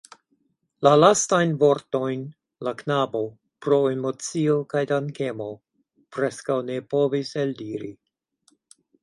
La lastajn vortojn la knabo pro emocio kaj dankemo preskaŭ ne povis eldiri.